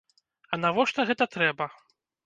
А навошта гэта трэба?